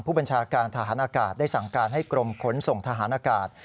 ผู้บัญชาการทหารอากาศได้สั่งการให้กรมขนส่งทหารอากาศ